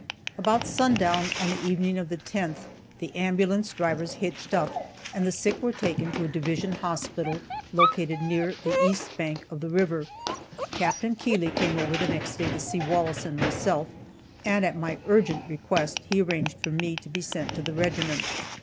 About sundown on the evening of the 10th, the ambulance drivers hitched up, and the sick were taken to a division hospital located near the east bank of the river. Capt. Keeley came over the next day to see Wallace and myself, and, at my urgent request, he arranged for me to be sent to the regiment.